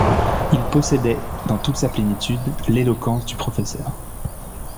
Il possédait dans toute sa plénitude l'éloquence du professeur.